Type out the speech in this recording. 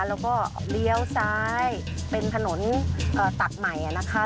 แล้วก็เลี้ยวซ้ายเป็นถนนตัดใหม่นะคะ